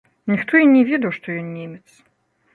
Ніхто і не ведаў, што ён немец.